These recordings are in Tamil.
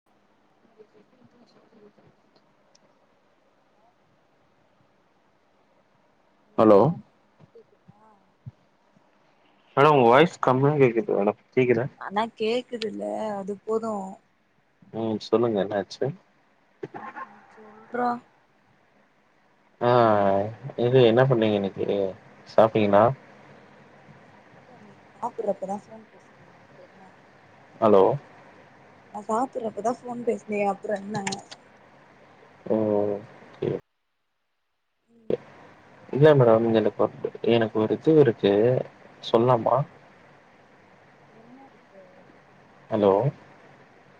[inaudible] ஹலோ ஆ மேடம் ஒங்க வாய்ஸ் கம்மியா கேக்குது மேடம் [unintelligible] ஆனா கேக்குதுல அது போது ம் சொல்லுங்க என்னாச்சு நீ சொல்றா ஆ இது என்ன ம் பண்ணீங்க இன்னக்கி சாப்ட்டீங்ளா சாப்புறப்பதா தா ஃபோன் பேசுனீங்க அப்றோ என்ன ஹலோ நா சாப்புறப்பதா ஃபோன் பேசுனீங்க அப்றோ என்ன ஓ ம் இல்ல மேடம் எனக்கு ஒரு எனக்கொரு இது இருக்கு சொல்லாமா என்ன இருக்கு ஹலோ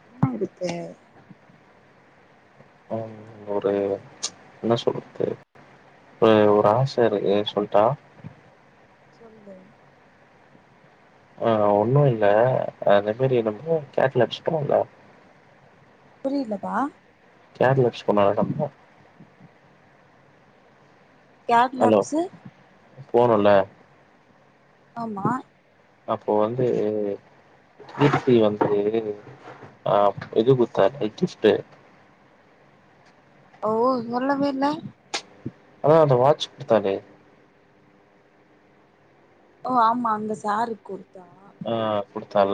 என்ன இருக்கு அம் ஒரு என்ன சொல்றது ஒரு ஒரு ஆச இருக்கு சொல்ட்டா சொல்லு ஆ ஒன்னு இல்ல அதே மாரி நம்ம [unintelligible] இல்ல புரிலப்பா [unintelligible] கேப் நப்ஸு போனுல ஆமா அப்போ வந்து கீர்த்தி வந்து ஆ இது குடுத்தா கிஃப்ட்டு ஓ சொல்லவே இல்ல அதா அந்த வாட்ச் குடுத்தாலே ஓ ஆமா அந்த சாருக் குடுத்தா ஆ குடுத்தால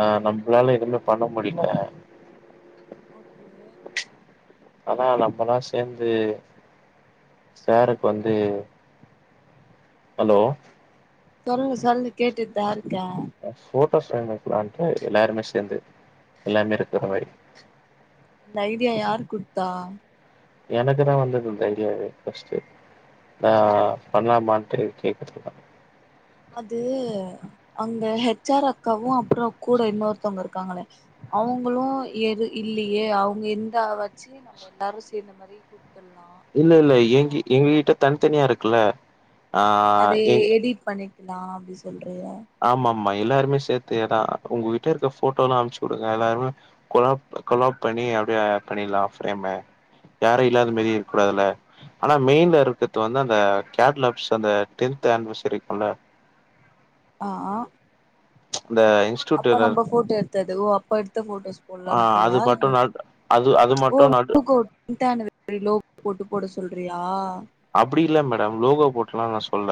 ஆ நம்ளால எதுமே பண்ண முடில ஓகே அதா நம்மல்லா சேர்ந்து சாருக்கு வந்து ஹலோ சொல்லு சொல்லு கேடுட்தா இருக்க போட்டோ ஃப்ரேம் வக்கலான்டு எல்லாருமே சேர்ந்து எல்லருாமே இருக்கிற மாரி இந்த ஐடியா யார் குடுத்தா எனக்கு தா வந்தது இந்த ஐடியாவே ஃபர்ஸ்டு நா பண்லாமான்ட்டு கேக்கரதுக்குதா அது அங்க ஹெச் ஆர் அக்காவு அப்புற கூட இன்னொருத்தவங்க இருக்காங்கள அவுங்களு எது இல்லியே அவுங்க இருந்தா வாச்சு நம்ம எல்லாரு சேர்ந்த மாரி குடுத்தர்லா இல்ல இல்ல எங்க எங்க கிட்ட தனித்தனியா இருக்குல்ல ஆ எங் இப் பணி லாம் அப்டி சொல்றீயா ஆமா ஆமா எல்லாருமே சேர்த்து எதா உங்ககிட்ட இருக்க போட்டோ எல்லா அனுச்சு விடுங்க எல்லாருமே கொலாப் கொலாப் பண்ணி அப்டியே பண்ணிர்லாம் ஃப்ரேமு யாரு இல்லாத மாரி இருக்க கூடாதுல்ல ஆனா மெயின்ல இருக்கிறது வந்து அந்த கேட்லப்ஸ் அந்த டென்த் ஆனிவர்சரில இருக்குல அஆ அந்த அப்ப இன்ஸ்டியூட்ல நம்ப போட்டோ எடுத்தது ஓ அப்ப எடுத்த போட்டோஸ் ஆ அது போட்லான்ரியா மட்டு இல்ல நட் அது அது மட்டு நட் ஓ இன்டானரி லோப் போட்டு போட சொல்றியா அப்படி இல்ல மேடம் லோகோ போட்லா நா சொல்ல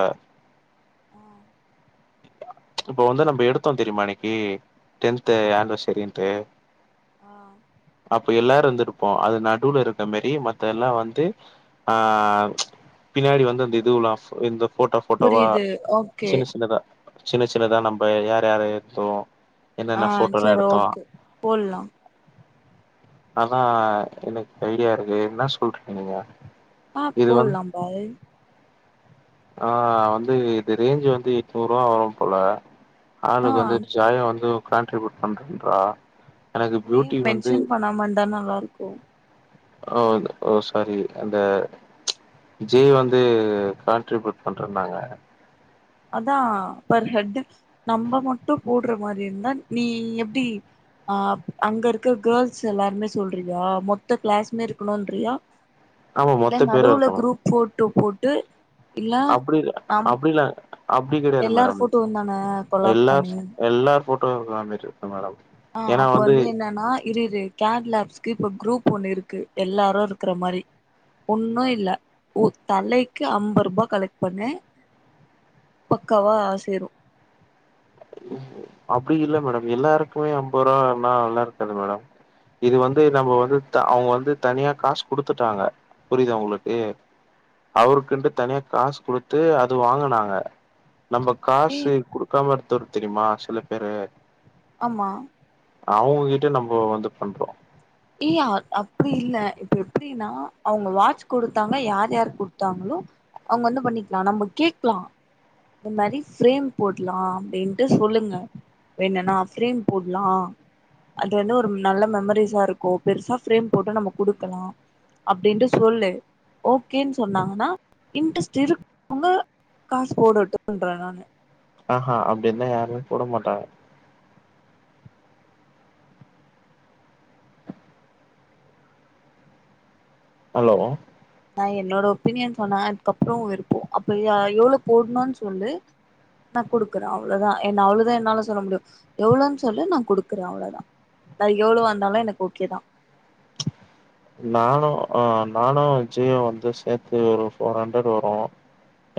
ஆ இப்ப வந்து நம்ம எடுத்தோ தெரியுமா அன்னைக்கி டென்து ம் ஆண்வசரின்ட்டு ஆ அப்ப எல்லாரு இருந்துருப்போ அது நடுவுல இருக்க மாரி மத்தெல்லா வந்து ஆ பின்னாடி வந்து அந்த இதுலா எ போட்டோ போட்டோவா புரியுது ஓகே சின்ன சின்னத சின்ன சின்னதா நம்ம யார் யார எடுத்தோ ஆ என்னென்ன போட்டோலா சரி எடுத்தோ ஓகே போடலா அதா எனக்கு ஐடியா இருக்கு என்ன சொல்றீங்க நீங்க ஆ இது வந்து போட்லா பாய் ஆ வந்து இது ரேஞ்ச் வந்து எட்நூறு ரூவா வரு போல ஆ ஆளுக்கு வந்து ஜாயா வந்து கான்ட்ரிபியூட் பண்றீங்ளா நேம் மென்ஷன் பண்ணாம இருந்தா நல்லா இருக்கு ஓ ஓ சாரி அந்த ஜே வந்து கான்ட்ரிபியூட் பண்றனாங்க அதா பர் ஹெட்டு நம்ம மட்டு போட்ற மாரி இருந்தா நீ எப்டி ஆ அங்க இருக்க கேர்ள்ஸ் எல்லாருமே சொல்றியா மொத்த க்ளாஸ்மே இருக்கணுன்றியா ஆமா மொத்த பேரு இருக்கணு ஃபோட்டோ போட்டு இல்ல அப்டி நம் அப்டிலா அப்டி கிடையாது எல்லாரு மேடம் போட்டோந்தான கொலாப் எல்லா பண்ணி எல்லா ஃபோட்டோ வந்துட்ருக்கு மேடம் அஹ் அப்ப வந்து என்னன்னா இருஇரு கேப்லாப்ஸ்கு இப்ப குரூப் ஒண்ணு இருக்கு எல்லாரு இருக்கற மாரி ஒன்னு இல்ல ஒ தலைக்கு அம்பர் ருபா கலெக்ட் பண்ணு பக்காவா ஆ சேரு அப்டி இல்ல மேடம் எல்லாருக்குமே அம்பர் ருவா னா நல்லா இருக்காது மேடம் இது வந்து நம்ம வந்து அவுங்க வந்து தனியா காசு குடுத்துட்டாங்க புரிதா உங்களுக்கு அவருக்குன்டு தனியா காசு குடுத்து அது வாங்கனாங்க நம்ப ஏ காசு கொடுக்காம ஒருத்தரு தெரியுமா சில பேரு ஆமா அவுங்க கிட்ட நம்ம வந்து பண்றோ ஏ யா அப்டி இல்ல இப்ப எப்டின்னா அவுங்க வாட்ச் கொடுத்தாங்க யார் யார் குடுத்தாங்களோ அவுங்க வந்து பண்ணிக்கலா நம்ம கேக்லா இந்த மாரி ஃப்ரேம் போட்லா அப்டின்ட்டு சொல்லுங்க வேணுன்னா ஃப்ரேம் போட்லா அது வந்து ஒரு நல்ல மெமரிஸா இருக் கு பெருசா ஃபிரேம் போட்டு நம்ம குடுக்கலா அப்டின்ட்டு சொல்லு ஓகேன்னு சொன்னாங்கன்னா இன்ட்ரெஸ்ட் இருக்கவங்க காசு போடட்டுன்ற நானு ஆஹா அப்டிருந்தா யாருமே போட மாட்டாங்க ஹலோ நா என்னோட ஒப்பீனியன் சொன்னா அதுக்கப்றோ ஒ விருப்போ அப்ப எவ்ளோ போட்ணு சொல்லு நா குடுக்கற அவ்ளோதா என்ன அவ்ளதா என்னால சொல்ல முடியு எவ்ளோன்னு சொல்லு நா குடுக்குற அவ்ளோதா எவ்ளோ வந்தாலு எனக்கு ஓகே தா நானு ஆ நானு விஜய்யு வந்து சேத்து ஒரு ஃபோர் ஹண்ட்ரட் வரு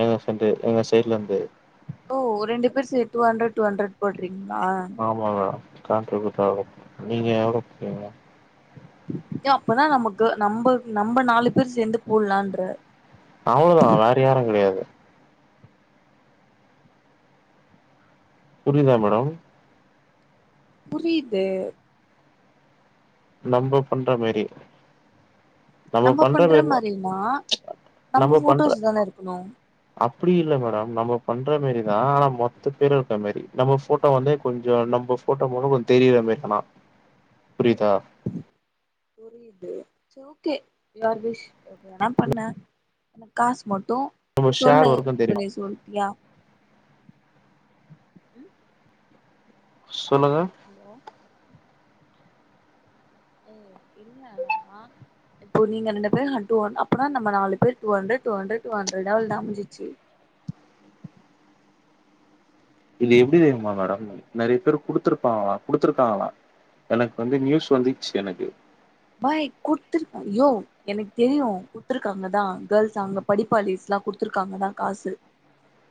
எங்க ஃப்ரண்ட்டு எங்க சைட்லருந்து ஓ ரெண்டு பேர் say two hundred two hundred போட்றீங்களா ஆமா [unintelligible] காண்ட்ரிபூட் ஆ நீங்க எவ்ளோ போடுவீங்க ஏ அப்பதா நமக்கு நம்ப நம்ம நாலு பேர் சேந்து போட்லான்ற அவ்ளோதா வேற யாரு கெடையாது புரிதா மேடம் புரிது நம்ப பண்ற மேரி நம்ம பண்ற மேர் நம்ம பண்ற என்ன இருக்கணு அப்டி இல்ல மேடம் நம்ம பண்ற மேரிதா ஆனா மொத்த பேர் இருக்க மேரி நம்ம ஃபோட்டோ வந்து கொஞ்சோ நம்ம ஃபோட்டோ மொகோ கொஞ்சோ தெரிராமாரி அனா புரிதா புரிது சேர் ஓகே யூஅர் விஷ் எப்டி வேணா பண்ணு எனக் காசு மட்டு நம்ம சொல்லு ஷேர் வரைக்கு தெரியுமா இப்பவே சொல்ட்டியா ம் சொல்லுங்க ஹலோ ஏ இல்லல்ல அ இப்போ நீங்க ரெண்டு பேர் ஹண் டூஹண்டரட் அப்பனா நம்ப நாலு பேர் டூஹண்ரட் டூஹண்ரட் டூஹண்ரடா அவ்ளோ தான் முஞ்சிச்சி இது எப்டி தெரியுமா மேடம் நறையா பேர் குடுத்துருப்பாங்களா குடுத்துருக்காங்களா எனக்கு வந்து நியூஸ் வந்துடூச்சு எனக்கு பாய் கொடுத்துருக்க யோ எனக்கு தெரியும் குடுத்துருக்காங்க தான் கேள்ஸ் அங்க படிப்பாளிஸ்ல்லாம் கொடுத்துருக்காங்க தான் காசு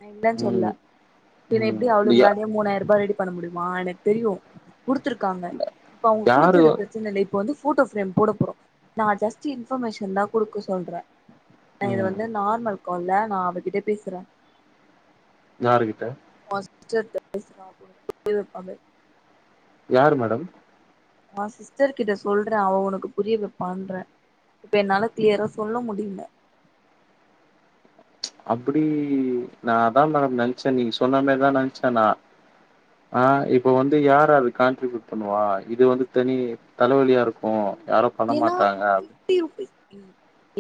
நா இல்லன்னு சொல்ல ம் பின்ன எப்டி ம் இந்த யா அவளுங்களாலேயே மூணாயிரறூபா ரெடி பண்ண முடியுமா எனக்கு தெரியு குடுத்துருக்காங்க இப்ப அவுங்க யாரு குடுத்தது பிரச்சன இல்ல இப்ப வந்து போட்டோ ஃப்ரேம் போட போறோம் நா ஜஸ்ட் இன்பர்மேஷன் தான் குடுக்க சொல்ற நான் இது ம் வந்து நார்மல் கால்ல நான் அவகிட்ட பேசுறே யாருக்கிட்ட [inaudible] யார் மேடம் நான் சிஸ்டர் கிட்ட சொல்றேன் அவ உனக்கு புரியவைப்பான்றே இப்ப என்னால கிளியரா சொல்ல முடில அப்டி நான் அதான் ந நினச்சேன் நீ சொன்ன மாரிதான் நினச்சே நான் ஆ இப்ப வந்து யார் யார் அது காண்ட்ரிபியூட் பண்ணுவா இது வந்து தனி தலவலியா இரு க்கு யாரும் பண்ண மாட்டாங்க அப் ஒகே ஓகே இ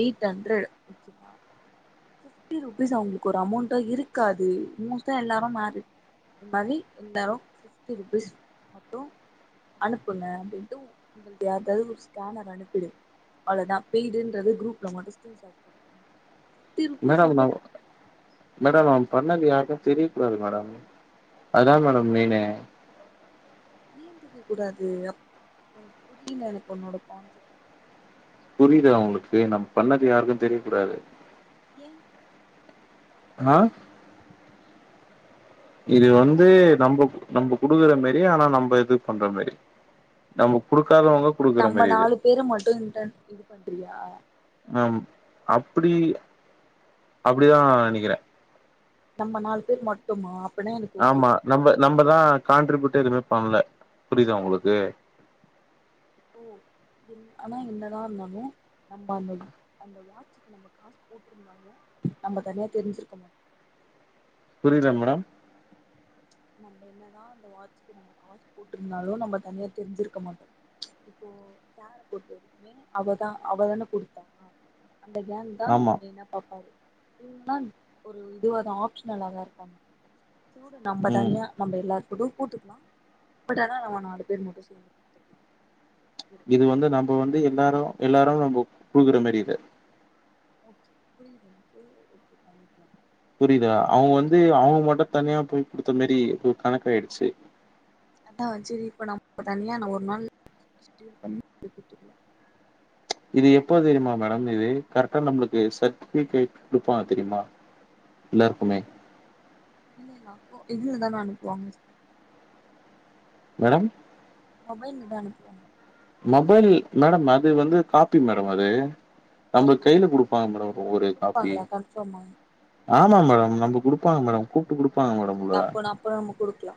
எயிட் ஹண்டரட் பிப்டி ருபீஸ் அவங்களுக்கு ஒரு அமௌண்டா இருக்காது மோஸ்ட்டா எல்லாரும் மார் இது மாரி இந்தரு பிப்டிருபீஸ் மட்டும் அனுப்புங்க அப்டின்ட்டு உங்களுக்கு யாருக்காவது ஒரு ஸ்கேனர் அனுப்பிடு அவ்ளோதான் பெய்டுன்றது குரூப்ல மட்டும் ஸ்கிரீன் சாட் போட்டு மேடம் நா மேடம் அவன் பண்ணது யாருக்கும் தெரியக் கூடாது மேடம் அதான் மேடம் மெயின்னே ஏன் தெரிய கூடாது அப் புரில எனக்கு உன்னோட கான்சப்ட் புரிலயா உங்களுக்கு நம் பண்ணது யாருக்கும் தெரிய கூடாது ஏன் ஆ இது வந்து நம்போ நம்போ குடுக்குற மேரி ஆனா நம்ம இது பண்ற மேரி நம்ம குடுக்காதவங்க நம்ம மாரி இது நாலு பேரும் மட்டும் இன்டன் இது பண்றியா மேம் அப்டி அப்டிதான் நெனக்கிறேன் நம்ம நாலு பேர் மட்டுமா அப்பன்னா எனக்கு ஓகே ஆமா நம்ம நம்மதா கான்ட்ரிபியூட்டே எதுவுமே பண்ல புரிதா உங்களுக்கு ஓ இ ஆனா என்னதான் இருந்தாலும் நம்ம அந்த அந்த வாட்சுக்கு நம்ம காசு கூட்ருந்தாலும் நம்ம தனியா தெரிஞ்சிருக்க மாட்டோ புரில மேடம் நம்ம என்னதான் அந்த வாட்ச் நம்ம காசு போட்டுருந்தாலும் நம்ம தனியா தெரிஞ்சிருக்க மாட்டோம் இப்போ சேர் போட்ட வரைக்குமே அவதான் அவதான குடுத்தா அந்த கேங் தான் ஆமா மெய்னா பாப்பாரு இவங்கல்லாம் ஒரு இதுவா தான் ஆப்ஷனலா தான் இருப்பாங்க சேர் வுடு நம்ம ம் தனியா நம்ம எல்லார் கூடும் கூப்ட்டுக்கலாம் பட் ஆனா நம்ம நாலு பேர் மட்டும் சேர்ந்துக்கலாம் இது வந்து நம்ம வந்து எல்லாரும் எல்லாரும் நம்ம குடுக்குற மேரி இது ஓகே புரியுது புரியுது ஓகே பண்ணிக்கலாம் புரியுதா அவுங்க வந்து அவுங்க மட்டும் தனியா போய் குடுத்த மாரி ஒரு கணக்க ஆயிடுச்சு அதா வச்சு இப்ப நம் இப்ப தனியா நா ஒரு நாள் [inaudible] இது எப்போ தெரியுமா மேடம் இது கரெக்டா நம்மளுக்கு சர்டிபிகேட் குடுப்பா தெரியுமா எல்லாருக்குமே இல்ல இல்ல அப்போ இதுலதான அனுப்புவாங்க மேடம் மொபைல்ல தா அனுப்புவாங்க மொபைல் மேடம் அது வந்து காப்பி மேடம் அது நம்மளுக் கையில குடு ப்பா மேடம் ஒரு காப்பி குடுப்பாங்களா கன்ஃபார்மா ஆமா மேடம் நம்ப குடுப்பாங்க மேடம் கூப்ட்டு குடுப்பாங்க மேடம் சரி உள்ள அப்போ அப்ப நம்ம குடுக்கலா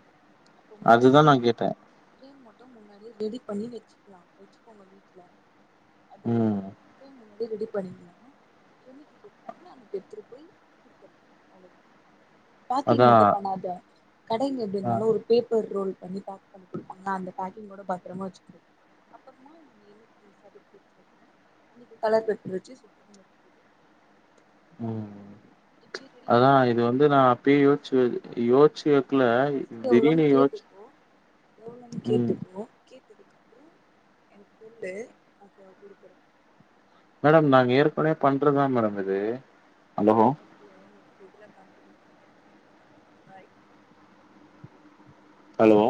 அதுதா நா கேட்டே [inaudible] மட்டும் முன்னாடி ரெடி பண்ணி வச்சுக்கலா வச்சுக்கோங்க வீட்ல அது ம் ஃப்ரேம் உள்ள ரெடி பண்ணீங்கன்னா என்னக்கி கூப்டாங்கலோ அன்னைக்கு எடுத்துட்டு போய் குடுத்துலா அவ்ளவுதா பாக்கீங் அதா மட்டு பண்ணாத கடைங்க எப்டி அ இருந்தாலு ஒரு பேப்பர் ரோல் பண்ணி பேக் பண்ணி கொடுப்பாங்களா அந்த பேக்கிங்கோட பத்திரமா வச்சுக்க அப்றமா நம்ம எ [inaudible] அன்னைக்கு கலர் பேப்பர் வச்சு சு ம் இப்டி ரெடி அதா பண்ணிப்போ இது வந்து நா அப்பயே யோச்சு யோச்சு வ ஃபஸ்ட்டு எவ்வளோன்னு கேட்டுக்கோ எவ்வளோன்னு ம் கேட்டுக்கோ கேட்டதுக்கு அப்பற எனக்கு சொல்லு அப்றோ குடுக்குறே மேடம் நாங்க ஏற்கனவே பண்றதுதா மேடம் இது ஹலோ [inaudible] பாய் ஹலோ